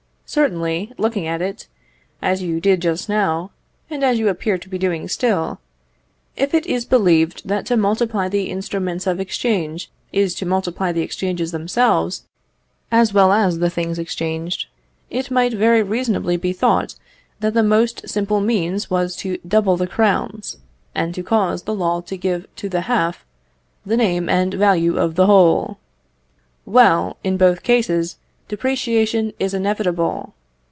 Certainly, looking at it, as you did just now, and as you appear to be doing still, if it is believed that to multiply the instruments of exchange is to multiply the exchanges themselves as well as the things exchanged, it might very reasonably be thought that the most simple means was to double the crowns, and to cause the law to give to the half the name and value of the whole. Well, in both cases, depreciation is inevitable.